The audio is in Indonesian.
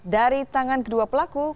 dari tangan kedua pelaku